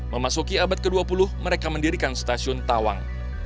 memasuki abad ke dua puluh mereka mendirikan stasiun tawang